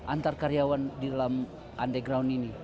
antar karyawan di dalam underground ini